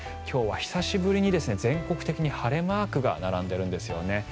今日は久しぶりに全国的に晴れマークが並んでいるんですよね。